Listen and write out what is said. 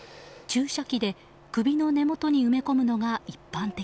注射器で首の根元に埋め込むのが一般的。